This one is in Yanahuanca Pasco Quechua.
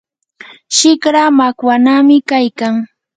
shikra makwanami kaykan.